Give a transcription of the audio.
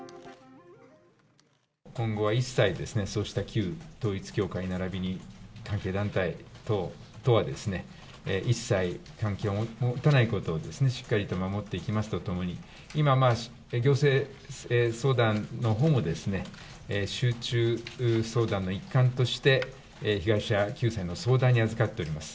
今後は一切ですね、そうした旧統一教会ならびに関係団体等とは、一切関係を持たないことをしっかりと守っていきますとともに、今、行政相談のほうも、集中相談の一環として被害者救済の相談に預かっております。